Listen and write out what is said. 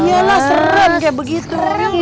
iyalah serem kayak begitu